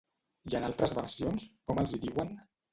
I en altres versions, com els hi diuen?